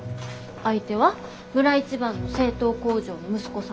相手は村一番の製糖工場の息子さんで。